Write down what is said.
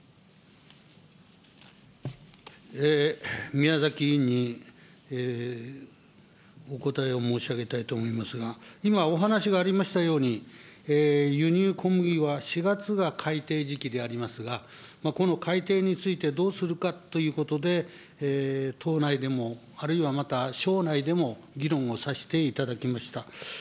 宮崎委員にお答えを申し上げたいと思いますが、今、お話がありましたように、輸入小麦は４月が改定時期でありますが、この改定についてどうするかということで、党内でも、あるいはまた省内でも議論をさせていただきました。